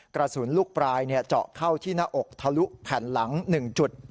กระสุนลูกปลายเจาะเข้าที่หน้าอกทะลุแผ่นหลัง๑จุด